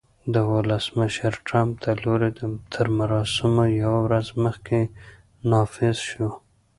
د ولسمشر ټرمپ د لوړې تر مراسمو یوه ورځ مخکې نافذ شو